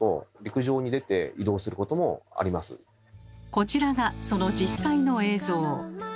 こちらがその実際の映像。